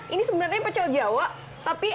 ini sebenarnya pecel jawa tapi